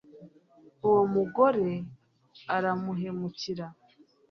uwo mugore aramuhemukira